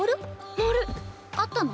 モール！あったの？